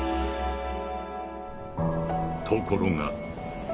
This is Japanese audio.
ところが。